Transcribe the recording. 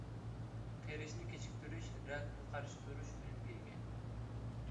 قېرىشنى كېچىكتۈرۈش، راكقا قارشى تۇرۇش ئۈنۈمىگە ئىگە.